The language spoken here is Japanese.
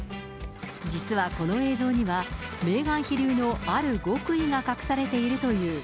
実はこの映像には、メーガン妃流のある極意が隠されているという。